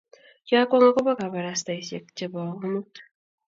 Kiakwong' akobo kabarastaesiek chebo amut